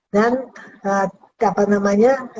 dan apa namanya efektifnya